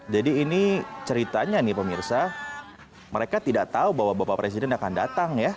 jadi ini ceritanya nih pemirsa mereka tidak tahu bahwa bapak presiden akan datang ya